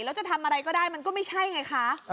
แล้วจะทำอะไรก็ได้มันก็ไม่ใช่ไงคะ